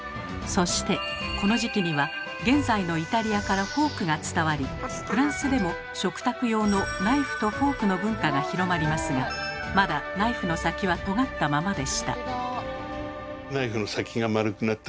そしてこの時期には現在のイタリアからフォークが伝わりフランスでも食卓用のナイフとフォークの文化が広まりますがまだナイフの先はとがったままでした。